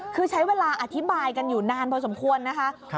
คือใช้เวลาอธิบายกันอยู่นานพอสมควรนะคะ